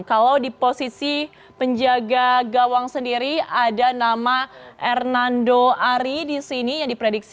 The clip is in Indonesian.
kalau di posisi penjaga gawang sendiri ada nama hernando ari di sini yang diprediksi